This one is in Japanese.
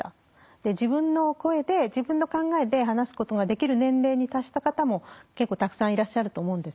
自分の声で自分の考えで話すことができる年齢に達した方も結構たくさんいらっしゃると思うんですね。